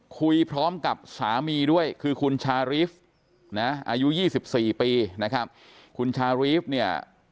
คุยพร้อมกับสามีด้วยคือคุณชารีฟนะอายุ๒๔ปีนะครับคุณชารีฟเนี่ย